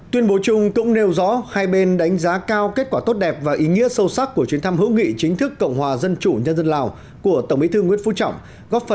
tuyên bố chung cũng nêu rõ hai bên đánh giá cao kết quả tốt đẹp và ý nghĩa sâu sắc của chuyến thăm hữu nghị chính thức cộng hòa dân chủ nhân dân lào của tổng bí thư nguyễn phú trọng